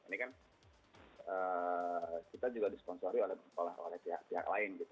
ini kan kita juga disponsori oleh pihak pihak lain gitu